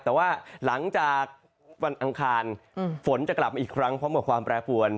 แต่ว่าหลังจากวันอังคารฝนจะกลับมาอีกครั้งพร้อมกับความแปรปวน